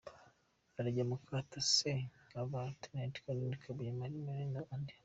Arajya mu kato se nka ba Lt Col Kabuye, Mary Baine n’abandi?